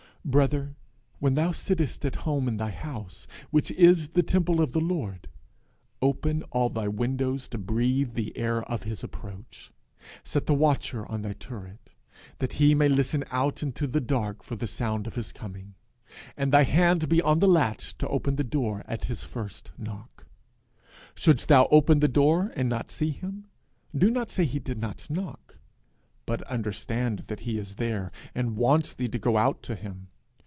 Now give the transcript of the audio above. Brother, when thou sittest at home in thy house, which is the temple of the Lord, open all thy windows to breathe the air of his approach; set the watcher on thy turret, that he may listen out into the dark for the sound of his coming, and thy hand be on the latch to open the door at his first knock. Shouldst thou open the door and not see him, do not say he did not knock, but understand that he is there, and wants thee to go out to him.